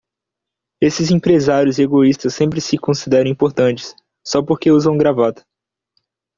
Esses empresários egoístas sempre se consideram importantes, só porque usam gravata.